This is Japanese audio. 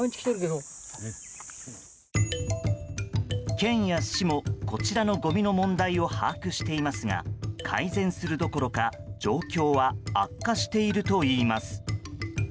県や市もこちらのごみの問題を把握していますが改善するどころか状況は悪化しているといいます。